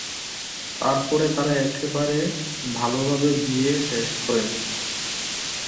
তার পরে তারা একেবারে ভাল ভাবে বিয়ে শেষ করেন।